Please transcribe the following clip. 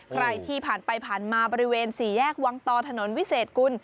ใครที่ผ่านไปผ่านมาบริเวณสี่แยกวังตอถนนวิเศษกุล